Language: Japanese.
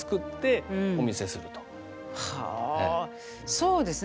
そうですね。